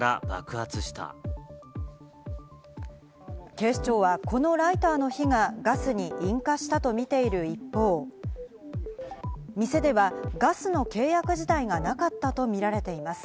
警視庁はこのライターの火がガスに引火したとみている一方、店ではガスの契約自体がなかったとみられています。